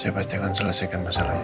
saya pasti akan selesaikan masalahnya